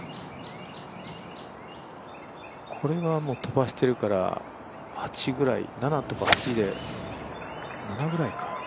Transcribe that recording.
これは飛ばしてるから７とか８で７ぐらいか。